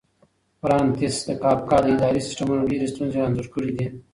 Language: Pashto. فرانتس کافکا د اداري سیسټمونو ډېرې ستونزې انځور کړې دي.